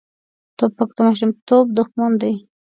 توپک د ماشومتوب دښمن دی.